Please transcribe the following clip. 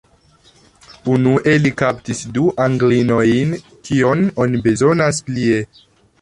Unue, li kaptis du Anglinojn: kion oni bezonas plie?